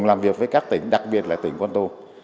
cùng làm việc với các tỉnh đặc biệt là tỉnh quân tô